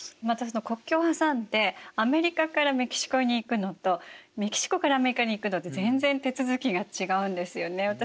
またその国境を挟んでアメリカからメキシコに行くのとメキシコからアメリカに行くのって全然手続きが違うんですよね。